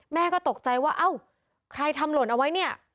แม่ก็ตกใจว่าเอ้าใครทำหล่นเอาไว้เนี่ย